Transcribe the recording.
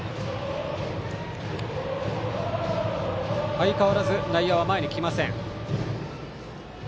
相変わらず内野は前に来ません。